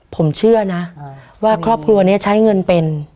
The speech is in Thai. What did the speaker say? ผมเชื่อนะว่าครอบครัวนี้ใช้เงินเป็น